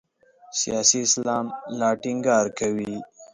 سیاسي اسلام لا ټینګار کوي.